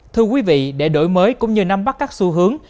thưa quý vị để đổi mới cũng như nắm bắt các xu hướng